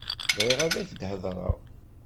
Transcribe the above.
Bɣiɣ ad ak-heḍṛeɣ.